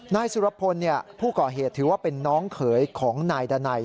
นายสุรพลผู้ก่อเหตุถือว่าเป็นน้องเขยของนายดานัย